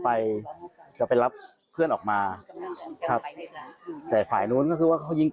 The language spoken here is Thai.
ก็ไม่ใช่คู่กรณีภัณฑ์นุนด้วง